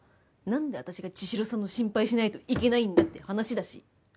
んで私が茅代さんの心配しないといけないんだって話だし。